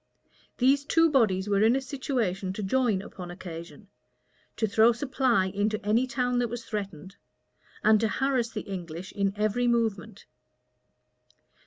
These two bodies were in a situation to join upon occasion; to throw supply into any town that was threatened; and to harass the English in every movement.